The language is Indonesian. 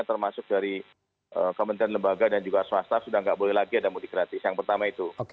termasuk dari kementerian lembaga dan juga swasta sudah nggak boleh lagi ada mudik gratis yang pertama itu